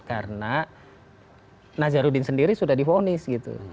karena nazarudin sendiri sudah difonis gitu